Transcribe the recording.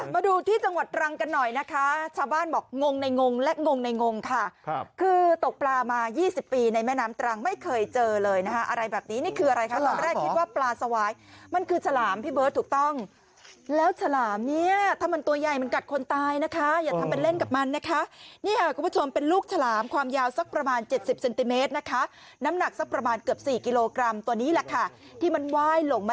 มาดูที่จังหวัดตรังกันหน่อยนะคะชาวบ้านบอกงงในงงและงงในงงค่ะคือตกปลามายี่สิบปีในแม่น้ำตรังไม่เคยเจอเลยนะคะอะไรแบบนี้นี่คืออะไรค่ะเราไม่ได้คิดว่าปลาสวายมันคือฉลามพี่เบิร์ดถูกต้องแล้วฉลามเนี้ยถ้ามันตัวใหญ่มันกัดคนตายนะคะอย่าทำเป็นเล่นกับมันนะคะนี่ค่ะคุณผู้ชมเป็นลูกฉลามความยาวสักประ